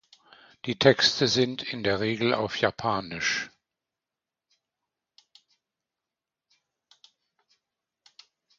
Die Texte sind in der Regel auf Japanisch.